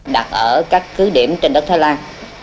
đặt ở các cứ điểm trên đất thái lan